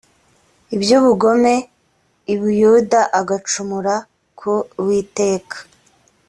iby’ ubugome i buyuda agacumura ku uwiteka